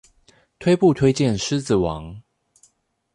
推不推薦獅子王